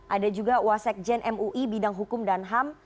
ada juga wasekjen mui bidang hukum dan ham